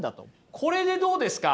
これでどうですか？